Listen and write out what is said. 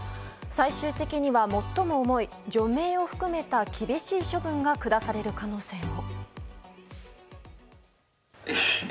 最終的には最も重い除名を含めた厳しい処分が下される可能性も。